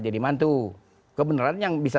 jadi mantu kebenaran yang bisa